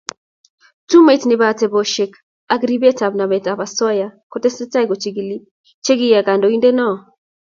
Tume nebo atebosiek ak borietap nametab osoya kotesetai kochigili che kiyai kandoindoni